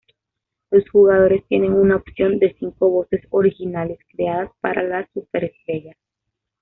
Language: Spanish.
Los jugadores tienen una opción de cinco voces originales creadas para las superestrellas.